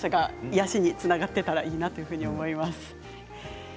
癒やしにつながっていたらいいかなと思います。